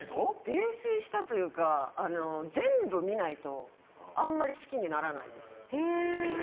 泥酔したというか全部見ないとあんまり好きにならないです。